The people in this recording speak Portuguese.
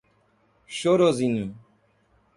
Chorozinho